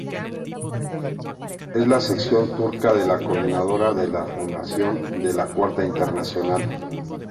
Es la sección turca de la Coordinadora por la Refundación de la Cuarta Internacional.